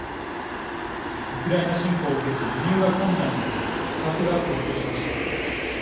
ウクライナ侵攻を受けて輸入が困難になり価格が高騰しました。